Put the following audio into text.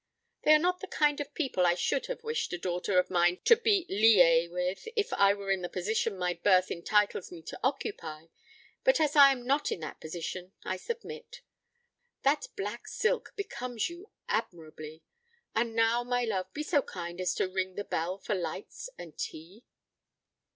They are not the kind of people I should have wished a daughter of mine to be liée with, if I were in the position my birth entitles me to occupy; but as I am not in that position, I submit. That black silk becomes you admirably. And now, my love, be so kind as to ring the bell for lights and tea."